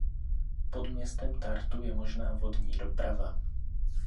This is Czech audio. Pod městem Tartu je možná vodní doprava.